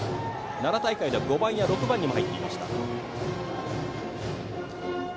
奈良大会では５番や６番にも入っていました。